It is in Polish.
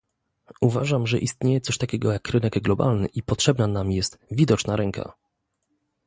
Uważam, że istnieje coś takiego jak rynek globalny i potrzebna nam jest "widoczna ręka"